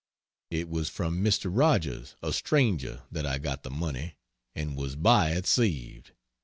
It was from Mr. Rogers, a stranger, that I got the money and was by it saved.